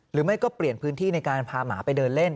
หรือไม่ก็เปลี่ยนพื้นที่ในการพาหมาไปเดินเล่น